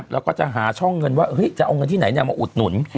แล้วก็จะหาช่องเงินว่าจะเอาเงินที่ไหนมาอุดหนุน